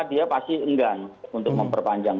dia pasti enggan untuk memperpanjang